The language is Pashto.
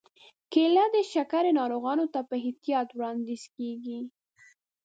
کېله د شکرې ناروغانو ته په احتیاط وړاندیز کېږي.